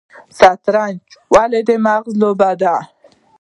شطرنج ولې د مغز لوبه ده؟